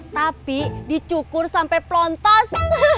tapi dicukur sampai pelontos